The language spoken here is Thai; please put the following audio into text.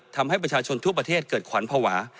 ทำให้ประชาชนทั่วประเทศเกิดขวัญภาวะ